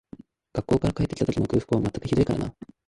学校から帰って来た時の空腹は全くひどいからな